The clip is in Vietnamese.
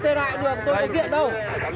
tôi đã làm việc tôi không có kiện đâu